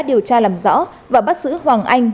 điều tra làm rõ và bắt giữ hoàng anh